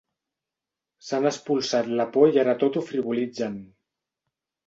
S'han espolsat la por i ara tot ho frivolitzen.